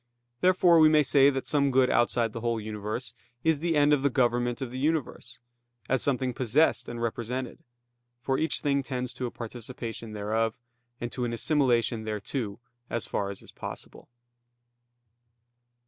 Therefore we may say that some good outside the whole universe is the end of the government of the universe, as something possessed and represented; for each thing tends to a participation thereof, and to an assimilation thereto, as far as is possible.